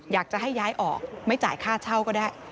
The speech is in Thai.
อยากจะให้ย้ายออกไม่จ่ายค่าเช่าก็ได้